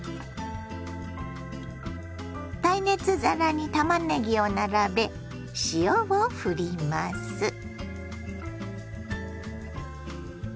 耐熱皿にたまねぎを並べ塩をふります。